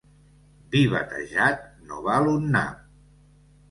Vi batejat no val un nap.